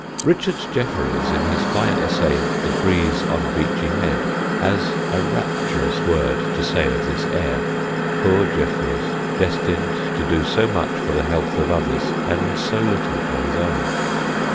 Richard Jefferies, in his fine essay, "The Breeze on Beachy Head," has a rapturous word to say of this air (poor Jefferies, destined to do so much for the health of others and so little for his own!).